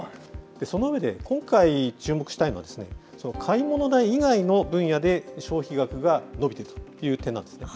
その上で、今回、注目したいのはですね、買い物代以外の分野で消費額が伸びているという点なんですね。